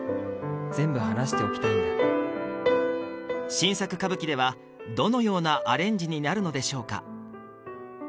新作歌舞伎ではどのようなアレンジになるのでしょうか